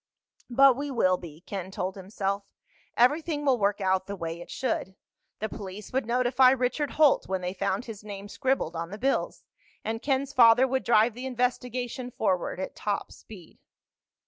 But we will be, Ken told himself. Everything will work out the way it should. The police would notify Richard Holt when they found his name scribbled on the bills, and Ken's father would drive the investigation forward at top speed.